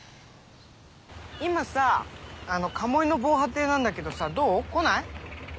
今さ鴨井の防波堤なんだけどさどう？来ない？